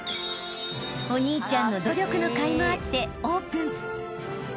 ［お兄ちゃんの努力のかいもあってオープン］